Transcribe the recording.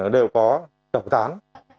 đều có trọng tán